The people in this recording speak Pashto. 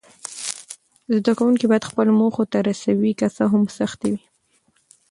زده کوونکي باید خپلو موخو ته رسوي، که څه هم سختۍ وي.